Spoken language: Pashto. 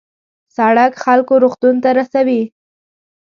سړک خلک روغتون ته رسوي.